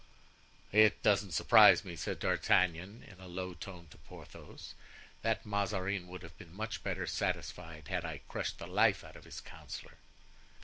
"It doesn't surprise me," said D'Artagnan, in a low tone to Porthos, "that Mazarin would have been much better satisfied had I crushed the life out of his councillor."